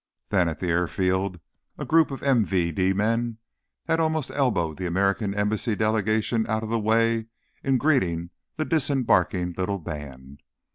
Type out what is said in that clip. Then, at the airfield, a group of MVD men had almost elbowed the American Embassy delegation out of the way in greeting the disembarking little band.